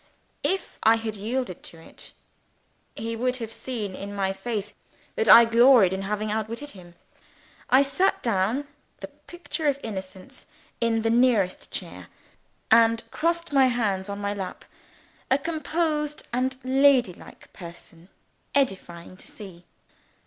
If I had yielded to it, he would have seen in my face that I gloried in having outwitted him. I sat down, the picture of innocence, in the nearest chair, and crossed my hands on my lap, a composed and ladylike person, edifying to see.